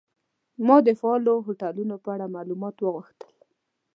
ما د فعالو هوټلونو په اړه معلومات وغوښتل.